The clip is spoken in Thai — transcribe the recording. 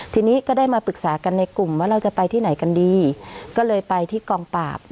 ทีนี้ก็ได้มาปรึกษากันในกลุ่มว่าเราจะไปที่ไหนกันดีก็เลยไปที่กองปราบ